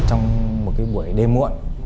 trong một buổi đêm muộn